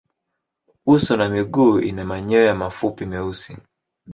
Uso na miguu ina manyoya mafupi meusi.